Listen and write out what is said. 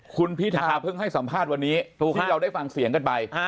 คุณพิธาเพิ่งให้สัมภาษณ์วันนี้ถูกให้เราได้ฟังเสียงกันไป